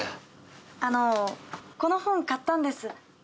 あのこの本買ったんです。